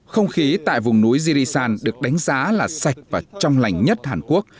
không khí tại vùng núi jirisan được đánh giá là sạch và trong lành nhất hàn quốc